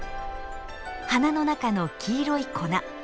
花の中の黄色い粉。